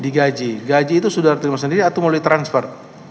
digaji gaji itu saudara terima sendiri atau mulai transfer